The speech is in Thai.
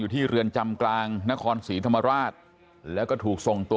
ที่เรือนจำกลางนครศรีธรรมราชแล้วก็ถูกส่งตัว